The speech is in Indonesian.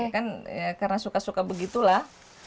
kan karena suka suka begitulah